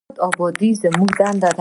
د هیواد ابادي زموږ دنده ده